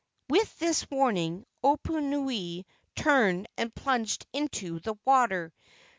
With this warning Oponui turned and plunged into the water.